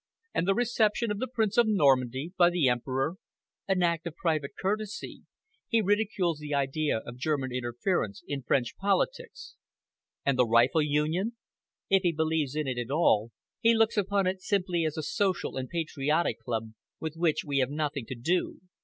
"And the reception of the Prince of Normandy by the Emperor?" "An act of private courtesy. He ridicules the idea of German interference in French politics." "And the rifle union?" "If he believes in it at all, he looks upon it simply as a social and patriotic club, with which we have nothing to do.